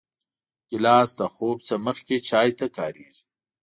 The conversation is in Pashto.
ګیلاس د خوب نه مخکې چای ته کارېږي.